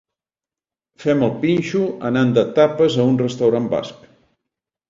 Fem el pinxo anant de tapes a un restaurant basc.